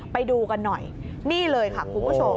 ไปดูกันหน่อยนี่เลยค่ะคุณผู้ชม